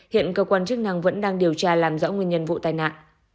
hiện cơ quan chức năng vẫn đang điều tra làm rõ nguyên nhân vụ tai nạn